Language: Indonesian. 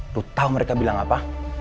lu tau mereka bilang apa